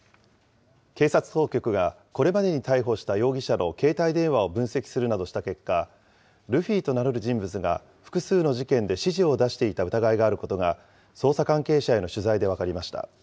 警察当局がこれまでに逮捕した容疑者の携帯電話を分析するなどした結果、ルフィと名乗る人物が複数の事件で指示を出していた疑いがあることが、捜査関係者への取材で分かりました。